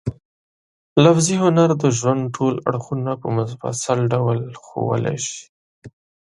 لفظي هنر د ژوند ټول اړخونه په مفصل ډول ښوولای شي.